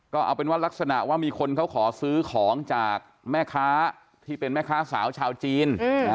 ก็เอาเป็นว่ารักษณะว่ามีคนเขาขอซื้อของจากแม่ค้าที่เป็นแม่ค้าสาวชาวจีน